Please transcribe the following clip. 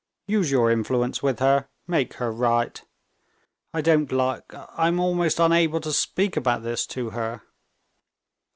"Use your influence with her, make her write. I don't like—I'm almost unable to speak about this to her."